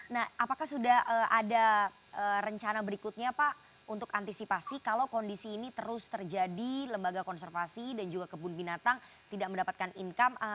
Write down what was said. nah apakah sudah ada rencana berikutnya pak untuk antisipasi kalau kondisi ini terus terjadi lembaga konservasi dan juga kebun binatang tidak mendapatkan income